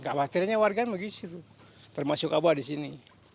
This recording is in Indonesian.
khawatirnya warga begitu termasuk abah di sini